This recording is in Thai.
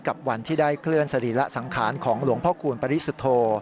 กับวันที่ได้เคลื่อนสารีละสังคารของหลวงพคูณประศรีสุโธ